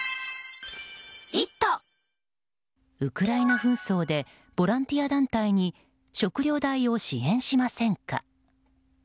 ウクライナ紛争でボランティア団体に食料代を支援しませんか？